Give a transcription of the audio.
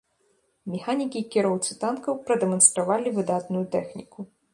Механікі-кіроўцы танкаў прадэманстравалі выдатную тэхніку.